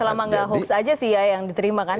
selama nggak hoax aja sih ya yang diterima kan